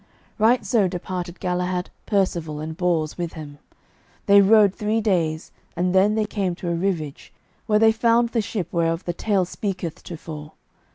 Right so departed Galahad, Percivale and Bors with him. They rode three days, and then they came to a rivage, where they found the ship whereof the tale speaketh tofore.